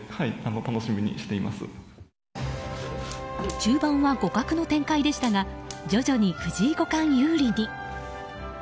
中盤は互角の展開でしたが徐々に藤井五冠有利に。